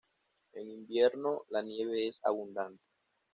En invierno la nieve es abundante.